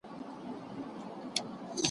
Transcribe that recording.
یرغلګر دلته تل له سخت مقاومت سره مخ شوي.